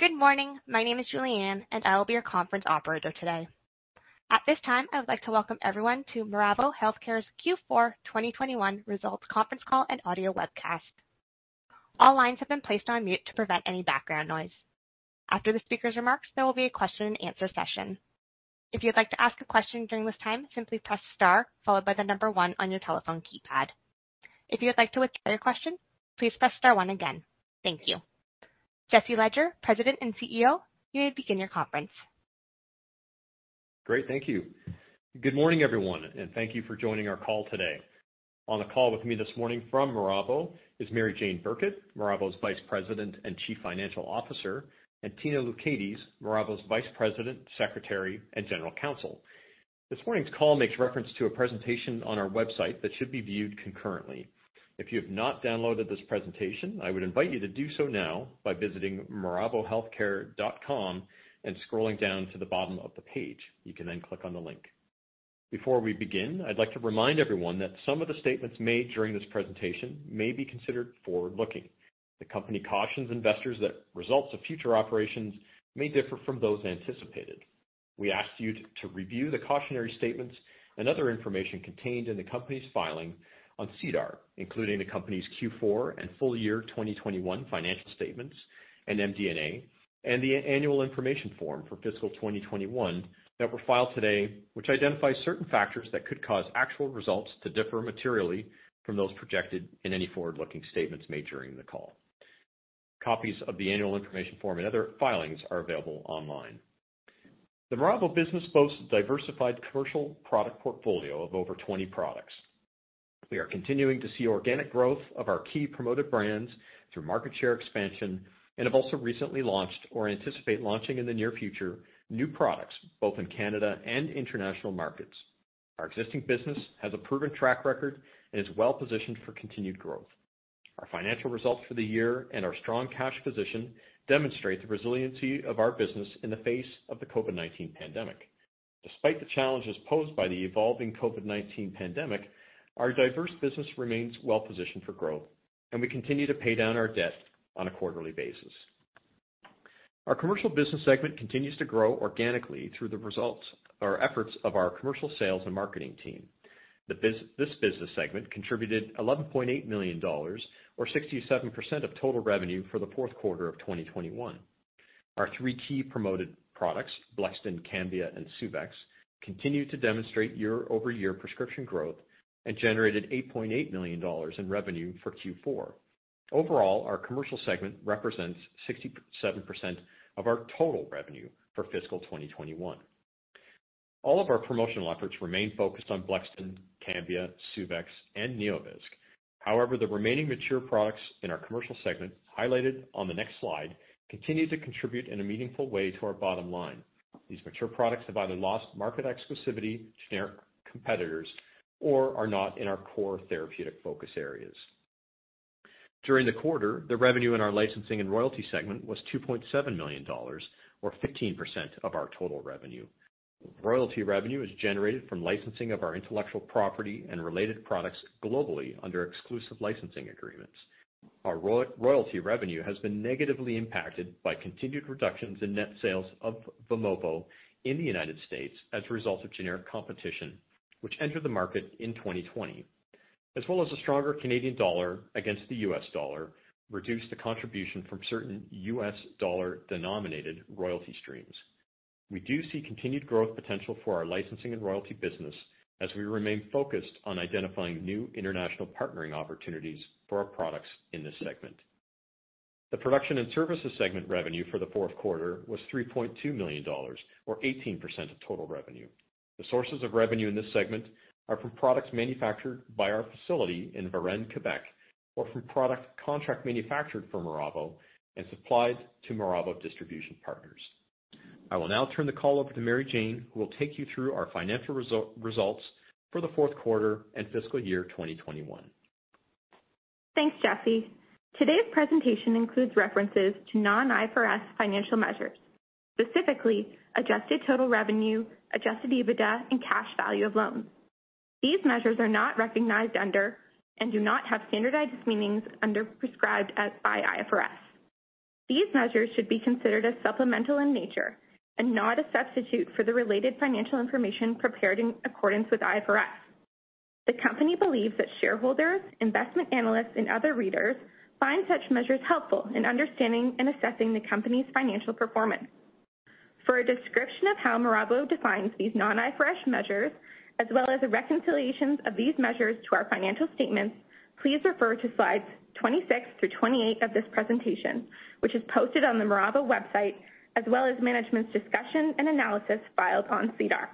Good morning. My name is Julianne, and I will be your conference operator today. At this time, I would like to welcome everyone to Miravo Healthcare's Q4 2021 Results Conference Call and Audio Webcast. All lines have been placed on mute to prevent any background noise. After the speaker's remarks, there will be a question and answer session. If you'd like to ask a question during this time, simply press star followed by the number one on your telephone keypad. If you would like to withdraw your question, please press star one again. Thank you. Jesse Ledger, President and CEO, you may begin your conference. Great. Thank you. Good morning, everyone, and thank you for joining our call today. On the call with me this morning from Miravo is Mary-Jane Burkett, Miravo's Vice President and Chief Financial Officer, and Katina Loucaides, Miravo's Vice President, Secretary, and General Counsel. This morning's call makes reference to a presentation on our website that should be viewed concurrently. If you have not downloaded this presentation, I would invite you to do so now by visiting miravohealthcare.com and scrolling down to the bottom of the page. You can then click on the link. Before we begin, I'd like to remind everyone that some of the statements made during this presentation may be considered forward-looking. The company cautions investors that results of future operations may differ from those anticipated. We ask you to review the cautionary statements and other information contained in the company's filing on SEDAR, including the company's Q4 and full year 2021 financial statements and MD&A and the annual information form for fiscal 2021 that were filed today, which identifies certain factors that could cause actual results to differ materially from those projected in any forward-looking statements made during the call. Copies of the annual information form and other filings are available online. The Miravo business boasts a diversified commercial product portfolio of over 20 products. We are continuing to see organic growth of our key promoted brands through market share expansion and have also recently launched or anticipate launching in the near future new products both in Canada and international markets. Our existing business has a proven track record and is well-positioned for continued growth. Our financial results for the year and our strong cash position demonstrate the resiliency of our business in the face of the COVID-19 pandemic. Despite the challenges posed by the evolving COVID-19 pandemic, our diverse business remains well-positioned for growth, and we continue to pay down our debt on a quarterly basis. Our Commercial business segment continues to grow organically through the efforts of our commercial sales and marketing team. This business segment contributed 11.8 million dollars, or 67% of total revenue for the fourth quarter of 2021. Our three key promoted products, Blexten, Cambia, and Suvexx, continue to demonstrate year-over-year prescription growth and generated 8.8 million dollars in revenue for Q4. Overall, our Commercial segment represents 67% of our total revenue for fiscal 2021. All of our promotional efforts remain focused on Blexten, Cambia, Suvexx, and NeoVisc. However, the remaining mature products in our commercial segment, highlighted on the next slide, continue to contribute in a meaningful way to our bottom line. These mature products have either lost market exclusivity to generic competitors or are not in our core therapeutic focus areas. During the quarter, the revenue in our licensing and royalty segment was 2.7 million dollars, or 15% of our total revenue. Royalty revenue is generated from licensing of our intellectual property and related products globally under exclusive licensing agreements. Our royalty revenue has been negatively impacted by continued reductions in net sales of Vimovo in the U.S. as a result of generic competition, which entered the market in 2020, as well as a stronger Canadian dollar against the U.S. dollar reduced the contribution from certain U.S. dollar-denominated royalty streams. We do see continued growth potential for our licensing and royalty business as we remain focused on identifying new international partnering opportunities for our products in this segment. The production and services segment revenue for the fourth quarter was 3.2 million dollars, or 18% of total revenue. The sources of revenue in this segment are from products manufactured by our facility in Varennes, Québec, or from product contract manufactured for Miravo and supplied to Miravo distribution partners. I will now turn the call over to Mary-Jane, who will take you through our financial results for the fourth quarter and fiscal year 2021. Thanks, Jesse. Today's presentation includes references to non-IFRS financial measures, specifically adjusted total revenue, adjusted EBITDA, and cash value of loans. These measures are not recognized under and do not have standardized meanings under prescribed as by IFRS. These measures should be considered as supplemental in nature and not a substitute for the related financial information prepared in accordance with IFRS. The company believes that shareholders, investment analysts, and other readers find such measures helpful in understanding and assessing the company's financial performance. For a description of how Miravo defines these non-IFRS measures, as well as the reconciliations of these measures to our financial statements, please refer to slides 26 through 28 of this presentation, which is posted on the Miravo website, as well as management's discussion and analysis filed on SEDAR.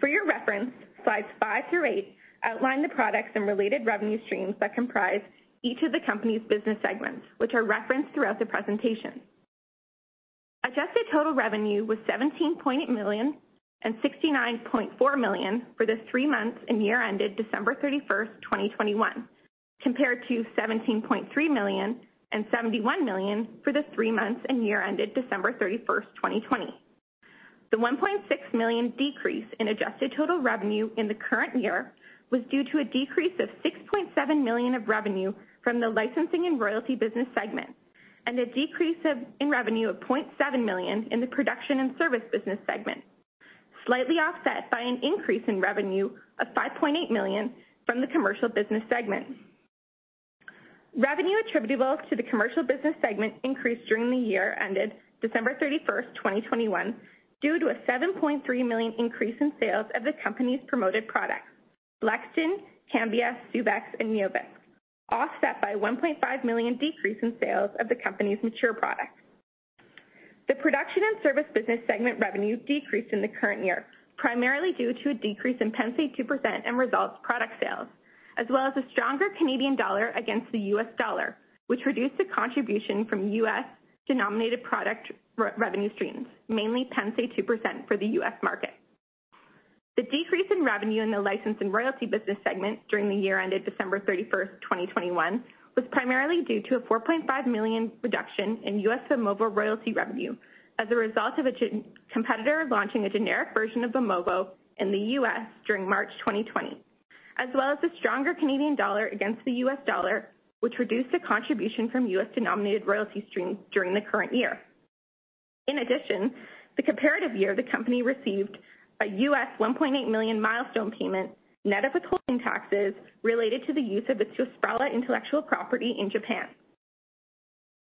For your reference, slides five through eight outline the products and related revenue streams that comprise each of the company's business segments, which are referenced throughout the presentation. Adjusted total revenue was CAD 17.8 million and CAD 69.4 million for the three months and year ended December 31st, 2021, compared to CAD 17.3 million and CAD 71 million for the three months and year ended December 31st, 2020. The CAD 1.6 million decrease in adjusted total revenue in the current year was due to a decrease of CAD 6.7 million of revenue from the Licensing and Royalty Business Segment, and a decrease in revenue of 0.7 million in the Production and Service Business Segment, slightly offset by an increase in revenue of 5.8 million from the Commercial Business Segment. Revenue attributable to the commercial business segment increased during the year ended December 31st, 2021, due to a 7.3 million increase in sales of the company's promoted products, Blexten, Cambia, Suvexx, and NeoVisc, offset by 1.5 million decrease in sales of the company's mature products. The production and service business segment revenue decreased in the current year, primarily due to a decrease in Pennsaid 2% and Resultz product sales, as well as a stronger Canadian dollar against the U.S. dollar, which reduced the contribution from U.S.-denominated product revenue streams, mainly Pennsaid 2% for the U.S. market. The decrease in revenue in the license and royalty business segment during the year ended December 31, 2021, was primarily due to a 4.5 million reduction in U.S. Vimovo royalty revenue as a result of a competitor launching a generic version of Vimovo in the U.S. during March 2020, as well as a stronger Canadian dollar against the U.S. dollar, which reduced the contribution from U.S.-denominated royalty streams during the current year. In addition, the comparative year, the company received a U.S. $1.8 million milestone payment net of withholding taxes related to the use of the Tresiba intellectual property in Japan.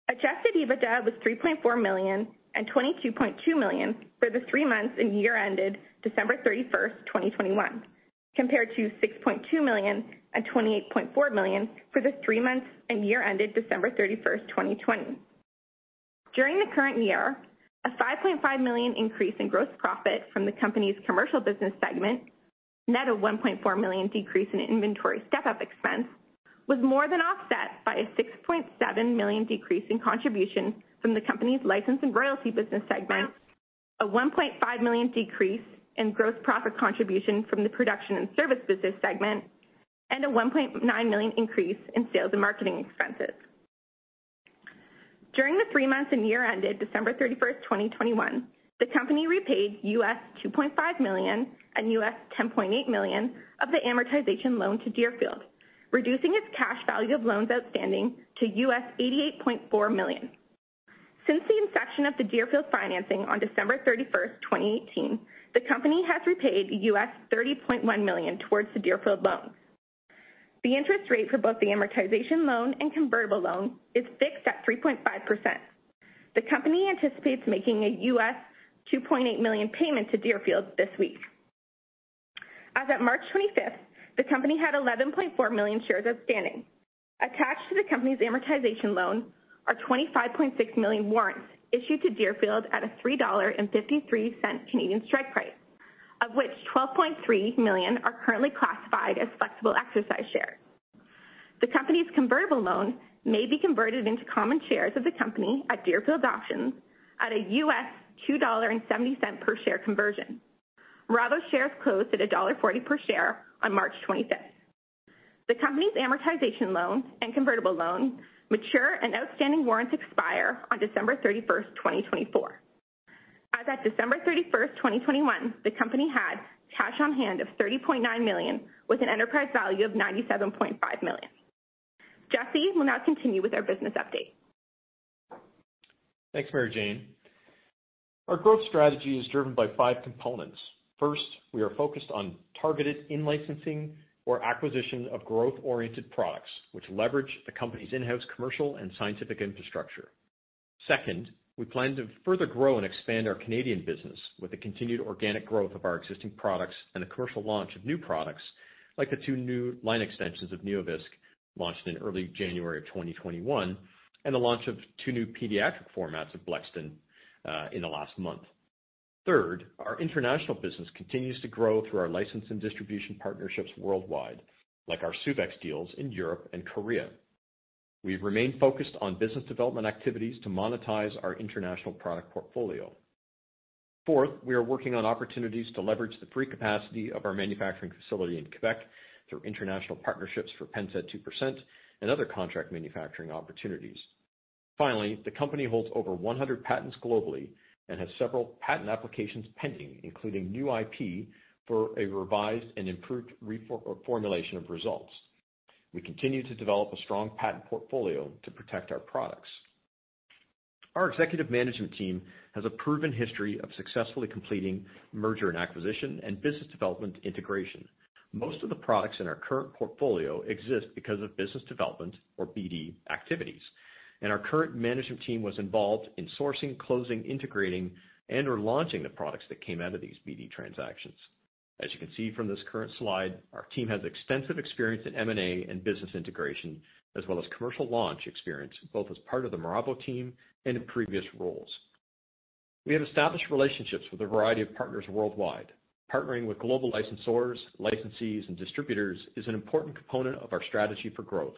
Adjusted EBITDA was CAD 3.4 million and CAD 22.2 million for the three months and year ended December 31, 2021, compared to CAD 6.2 million and CAD 28.4 million for the three months and year ended December 31, 2020. During the current year, a 5.5 million increase in gross profit from the company's Commercial Business Segment, net of a 1.4 million decrease in inventory step-up expense, was more than offset by a 6.7 million decrease in contribution from the company's License and Royalty Business Segment, a 1.5 million decrease in gross profit contribution from the Production and Service Business Segment, and a 1.9 million increase in sales and marketing expenses. During the three months and year ended December 31st, 2021, the company repaid $2.5 million and $10.8 million of the amortization loan to Deerfield, reducing its cash value of loans outstanding to $88.4 million. Since the inception of the Deerfield financing on December 31st, 2018, the company has repaid $30.1 million towards the Deerfield loan. The interest rate for both the amortization loan and convertible loan is fixed at 3.5%. The company anticipates making a $2.8 million payment to Deerfield this week. As of March 25th, the company had 11.4 million shares outstanding. Attached to the company's amortization loan are 25.6 million warrants issued to Deerfield at a 3.53 Canadian dollars strike price, of which 12.3 million are currently classified as flexible exercise shares. The company's convertible loan may be converted into common shares of the company at Deerfield's option at a $2.70 per share conversion. Miravo shares closed at dollar 1.40 per share on March 25th. The company's amortization loan and convertible loan mature and outstanding warrants expire on December 31st, 2024. As at December 31st, 2021, the company had cash on hand of CAD 30.9 million with an enterprise value of CAD 97.5 million. Jesse will now continue with our business update. Thanks, Mary-Jane. Our growth strategy is driven by five components. First, we are focused on targeted in-licensing or acquisition of growth-oriented products, which leverage the company's in-house commercial and scientific infrastructure. Second, we plan to further grow and expand our Canadian business with the continued organic growth of our existing products and the commercial launch of new products, like the two new line extensions of NeoVisc launched in early January 2021, and the launch of two new pediatric formats of Blexten in the last month. Third, our international business continues to grow through our license and distribution partnerships worldwide, like our Suvexx deals in Europe and Korea. We've remained focused on business development activities to monetize our international product portfolio. Fourth, we are working on opportunities to leverage the free capacity of our manufacturing facility in Québec through international partnerships for Pennsaid 2% and other contract manufacturing opportunities. Finally, the company holds over 100 patents globally and has several patent applications pending, including new IP for a revised and improved reformulation of Resultz. We continue to develop a strong patent portfolio to protect our products. Our executive management team has a proven history of successfully completing merger and acquisition and business development integration. Most of the products in our current portfolio exist because of business development, or BD, activities, and our current management team was involved in sourcing, closing, integrating, and/or launching the products that came out of these BD transactions. As you can see from this current slide, our team has extensive experience in M&A and business integration, as well as commercial launch experience, both as part of the Miravo team and in previous roles. We have established relationships with a variety of partners worldwide. Partnering with global licensors, licensees, and distributors is an important component of our strategy for growth,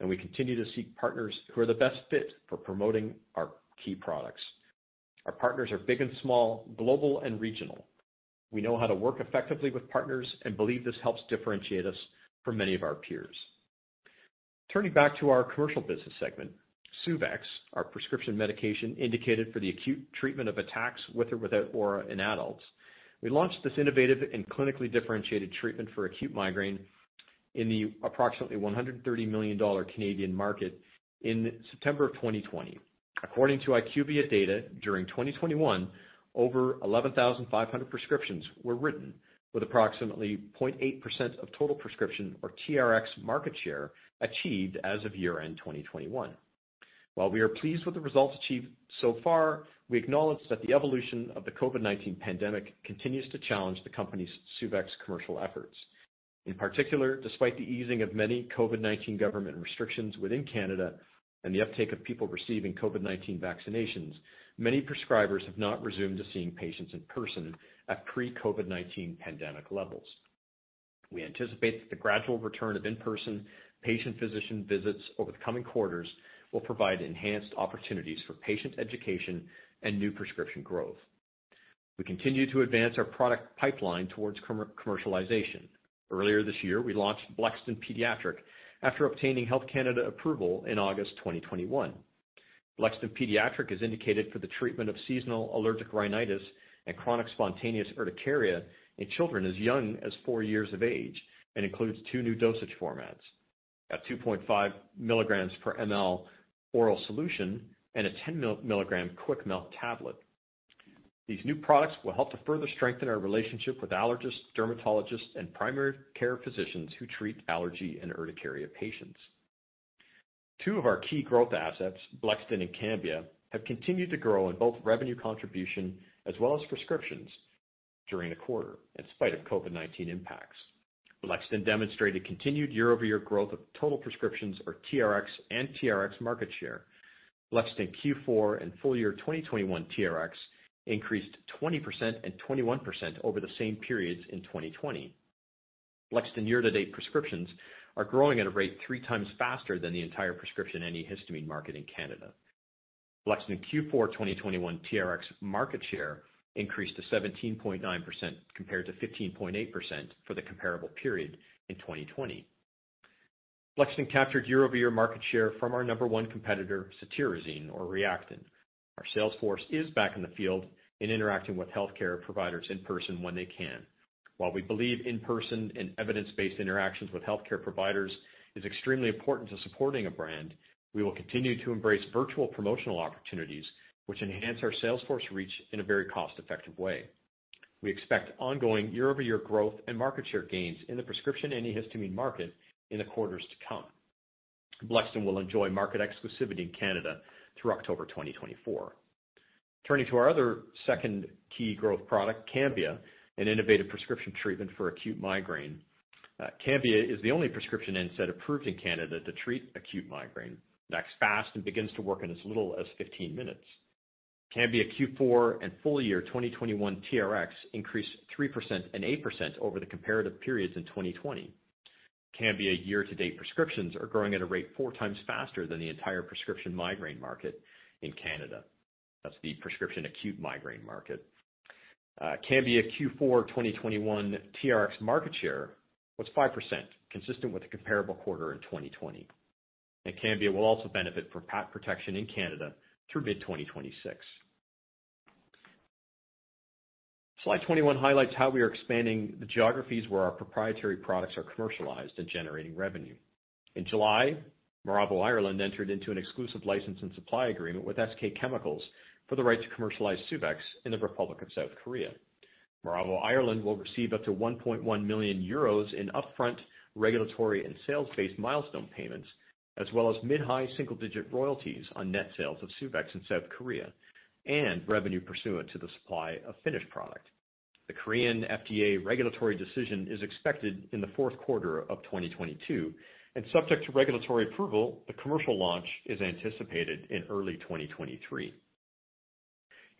and we continue to seek partners who are the best fit for promoting our key products. Our partners are big and small, global and regional. We know how to work effectively with partners and believe this helps differentiate us from many of our peers. Turning back to our commercial business segment, Suvexx, our prescription medication indicated for the acute treatment of attacks with or without aura in adults. We launched this innovative and clinically differentiated treatment for acute migraine in the approximately 130 million Canadian dollars Canadian market in September of 2020. According to IQVIA data, during 2021, over 11,500 prescriptions were written with approximately 0.8% of total prescription or TRx market share achieved as of year-end 2021. While we are pleased with the results achieved so far, we acknowledge that the evolution of the COVID-19 pandemic continues to challenge the company's Suvexx commercial efforts. In particular, despite the easing of many COVID-19 government restrictions within Canada and the uptake of people receiving COVID-19 vaccinations, many prescribers have not resumed to seeing patients in person at pre-COVID-19 pandemic levels. We anticipate that the gradual return of in-person patient physician visits over the coming quarters will provide enhanced opportunities for patient education and new prescription growth. We continue to advance our product pipeline towards commercialization. Earlier this year, we launched Blexten Pediatric after obtaining Health Canada approval in August 2021. Blexten Pediatric is indicated for the treatment of seasonal allergic rhinitis and chronic spontaneous urticaria in children as young as four years of age and includes two new dosage formats. A 2.5 milligrams per mL oral solution and a 10 milligram quick melt tablet. These new products will help to further strengthen our relationship with allergists, dermatologists, and primary care physicians who treat allergy and urticaria patients. Two of our key growth assets, Blexten and Cambia, have continued to grow in both revenue contribution as well as prescriptions during the quarter in spite of COVID-19 impacts. Blexten demonstrated continued year-over-year growth of total prescriptions or TRx and TRx market share. Blexten Q4 and full year 2021 TRx increased 20% and 21% over the same periods in 2020. Blexten year-to-date prescriptions are growing at a rate three times faster than the entire prescription antihistamine market in Canada. Blexten Q4 2021 TRx market share increased to 17.9% compared to 15.8% for the comparable period in 2020. Blexten captured year-over-year market share from our number one competitor, cetirizine or Reactine. Our sales force is back in the field and interacting with healthcare providers in person when they can. While we believe in-person and evidence-based interactions with healthcare providers is extremely important to supporting a brand, we will continue to embrace virtual promotional opportunities which enhance our sales force reach in a very cost-effective way. We expect ongoing year-over-year growth and market share gains in the prescription antihistamine market in the quarters to come. Blexten will enjoy market exclusivity in Canada through October 2024. Turning to our other second key growth product, Cambia, an innovative prescription treatment for acute migraine. Cambia is the only prescription NSAID approved in Canada to treat acute migraine. It acts fast and begins to work in as little as 15 minutes. Cambia Q4 and full year 2021 TRx increased 3% and 8% over the comparative periods in 2020. Cambia year-to-date prescriptions are growing at a rate four times faster than the entire prescription migraine market in Canada. That's the prescription acute migraine market. Cambia Q4 2021 TRx market share was 5%, consistent with the comparable quarter in 2020. Cambia will also benefit from patent protection in Canada through mid-2026. Slide 21 highlights how we are expanding the geographies where our proprietary products are commercialized and generating revenue. In July, Miravo Ireland entered into an exclusive license and supply agreement with SK Chemicals for the right to commercialize Suvexx in the Republic of South Korea. Miravo Ireland will receive up to 1.1 million euros in upfront regulatory and sales-based milestone payments, as well as mid-high single-digit royalties on net sales of Suvexx in South Korea and revenue pursuant to the supply of finished product. The Korean FDA regulatory decision is expected in the fourth quarter of 2022. Subject to regulatory approval, the commercial launch is anticipated in early 2023.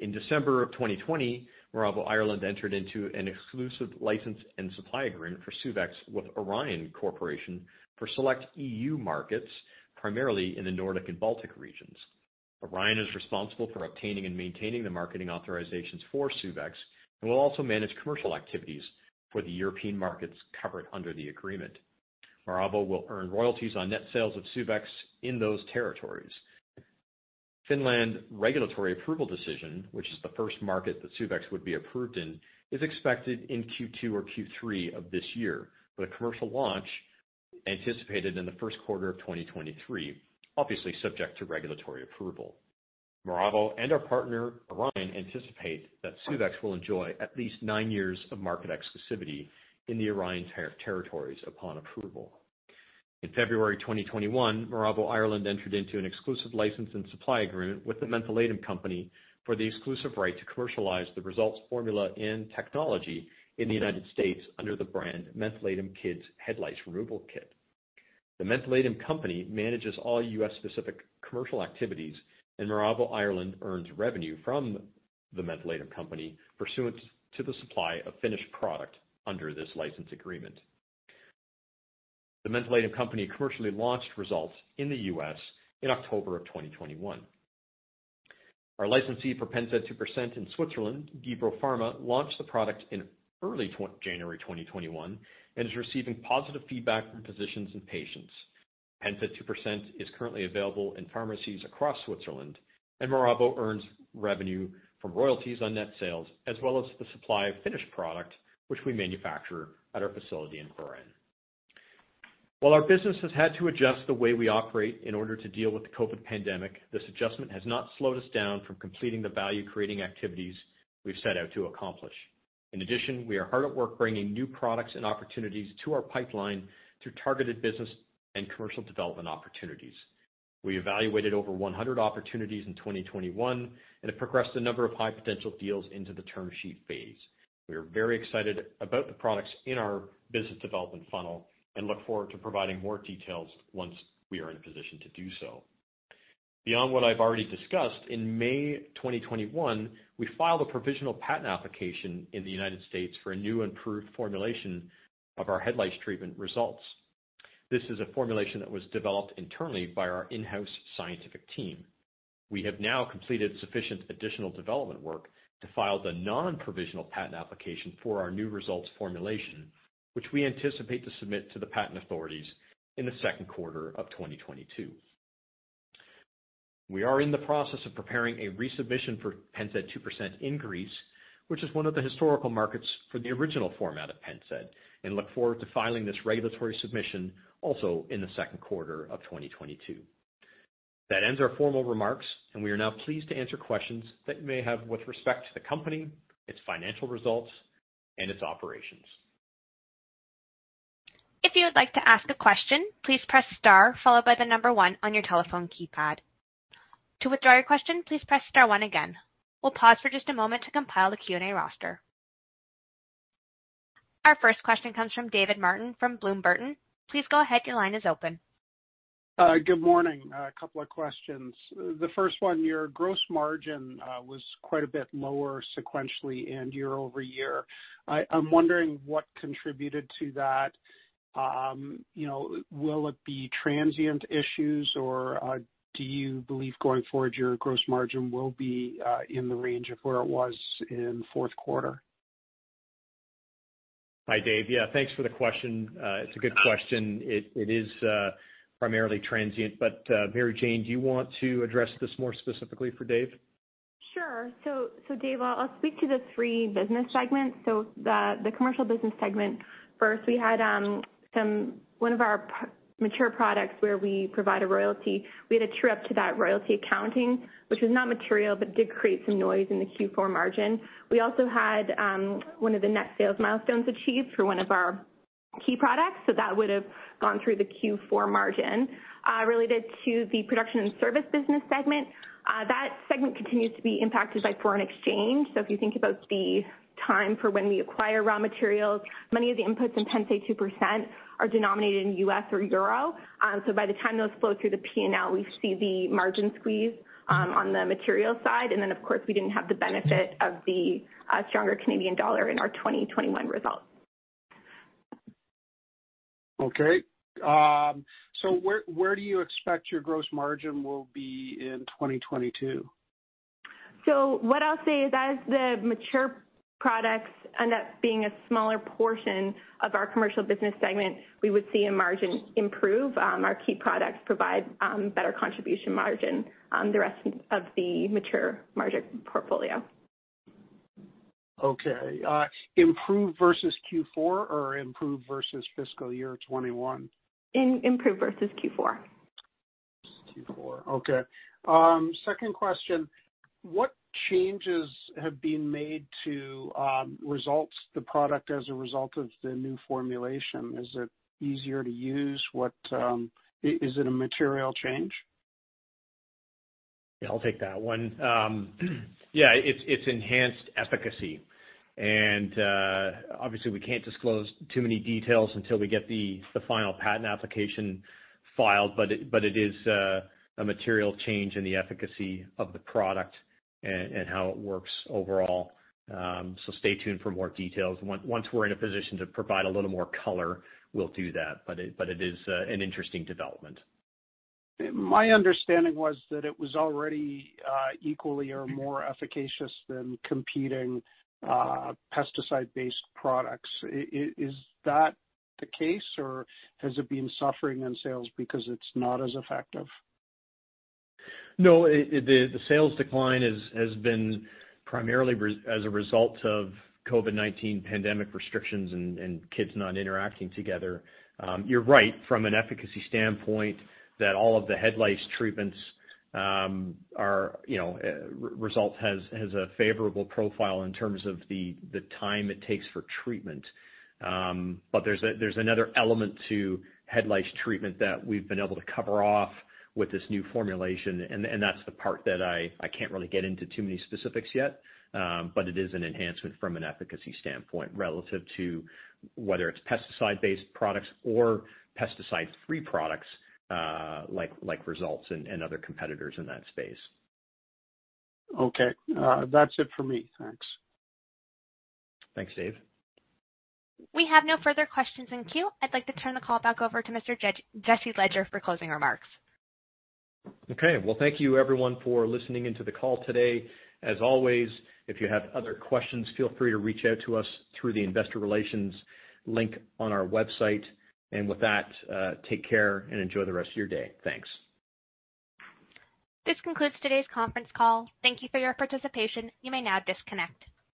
In December of 2020, Miravo Ireland entered into an exclusive license and supply agreement for Suvexx with Orion Corporation for select EU markets, primarily in the Nordic and Baltic regions. Orion is responsible for obtaining and maintaining the marketing authorizations for Suvexx and will also manage commercial activities for the European markets covered under the agreement. Miravo will earn royalties on net sales of Suvexx in those territories. Finland regulatory approval decision, which is the first market that Suvexx would be approved in, is expected in Q2 or Q3 of this year, with a commercial launch anticipated in the first quarter of 2023, obviously subject to regulatory approval. Miravo and our partner, Orion, anticipate that Suvexx will enjoy at least nine years of market exclusivity in the Orion territories upon approval. In February 2021, Miravo Ireland entered into an exclusive license and supply agreement with The Mentholatum Company for the exclusive right to commercialize the Resultz formula and technology in the U.S. under the brand Mentholatum Kids Head Lice Removal Kit. The Mentholatum Company manages all U.S.-specific commercial activities, and Miravo Ireland earns revenue from The Mentholatum Company pursuant to the supply of finished product under this license agreement. The Mentholatum Company commercially launched Resultz in the U.S. in October of 2021. Our licensee for Pennsaid 2% in Switzerland, Gebro Pharma, launched the product in early January 2021 and is receiving positive feedback from physicians and patients. Pennsaid 2% is currently available in pharmacies across Switzerland. Miravo earns revenue from royalties on net sales, as well as the supply of finished product, which we manufacture at our facility in Varennes. While our business has had to adjust the way we operate in order to deal with the COVID-19 pandemic, this adjustment has not slowed us down from completing the value-creating activities we've set out to accomplish. In addition, we are hard at work bringing new products and opportunities to our pipeline through targeted business and commercial development opportunities. We evaluated over 100 opportunities in 2021 and have progressed a number of high-potential deals into the term sheet phase. We are very excited about the products in our business development funnel and look forward to providing more details once we are in a position to do so. Beyond what I've already discussed, in May 2021, we filed a provisional patent application in the United States for a new improved formulation of our head lice treatment Resultz. This is a formulation that was developed internally by our in-house scientific team. We have now completed sufficient additional development work to file the non-provisional patent application for our new Resultz formulation, which we anticipate to submit to the patent authorities in the second quarter of 2022. We are in the process of preparing a resubmission for Pennsaid 2% in Greece, which is one of the historical markets for the original format of Pennsaid, and look forward to filing this regulatory submission also in the second quarter of 2022. That ends our formal remarks, we are now pleased to answer questions that you may have with respect to the company, its financial results, and its operations. If you would like to ask a question, please press star followed by the number one on your telephone keypad. To withdraw your question, please press star one again. We'll pause for just a moment to compile the Q&A roster. Our first question comes from David Martin from Bloom Burton. Please go ahead. Your line is open. Good morning. A couple of questions. The first one, your gross margin was quite a bit lower sequentially and year over year. I'm wondering what contributed to that. Will it be transient issues, or do you believe going forward, your gross margin will be in the range of where it was in the fourth quarter? Hi, Dave. Yeah, thanks for the question. It's a good question. It is primarily transient, but Mary-Jane, do you want to address this more specifically for Dave? Sure. Dave, I'll speak to the three business segments. The commercial business segment first, we had 1 of our mature products where we provide a royalty. We had a true-up to that royalty accounting, which was not material but did create some noise in the Q4 margin. We also had one of the net sales milestones achieved for one of our key products, that would have gone through the Q4 margin. Related to the production and service business segment, that segment continues to be impacted by foreign exchange. If you think about the time for when we acquire raw materials, many of the inputs in Pennsaid 2% are denominated in U.S. or EUR. By the time those flow through the P&L, we see the margin squeeze on the material side. Of course, we didn't have the benefit of the stronger Canadian dollar in our 2021 results. Okay. Where do you expect your gross margin will be in 2022? What I'll say is as the mature products end up being a smaller portion of our commercial business segment, we would see a margin improve. Our key products provide better contribution margin, the rest of the mature margin portfolio. Okay. Improve versus Q4 or improve versus fiscal year 2021? Improve versus Q4. Versus Q4. Okay. Second question, what changes have been made to Resultz, the product as a result of the new formulation? Is it easier to use? Is it a material change? Yeah, I'll take that one. Yeah, it's enhanced efficacy. Obviously we can't disclose too many details until we get the final patent application filed, but it is a material change in the efficacy of the product and how it works overall. Stay tuned for more details. Once we're in a position to provide a little more color, we'll do that. It is an interesting development. My understanding was that it was already equally or more efficacious than competing pesticide-based products. Is that the case, or has it been suffering in sales because it's not as effective? No, the sales decline has been primarily as a result of COVID-19 pandemic restrictions and kids not interacting together. You're right, from an efficacy standpoint, that all of the head lice treatments, Resultz has a favorable profile in terms of the time it takes for treatment. There's another element to head lice treatment that we've been able to cover off with this new formulation, and that's the part that I can't really get into too many specifics yet, but it is an enhancement from an efficacy standpoint relative to whether it's pesticide-based products or pesticide-free products like Resultz and other competitors in that space. Okay. That's it for me. Thanks. Thanks, Dave. We have no further questions in queue. I'd like to turn the call back over to Mr. Jesse Ledger for closing remarks. Okay. Well, thank you everyone for listening into the call today. As always, if you have other questions, feel free to reach out to us through the investor relations link on our website. With that, take care and enjoy the rest of your day. Thanks. This concludes today's conference call. Thank you for your participation. You may now disconnect.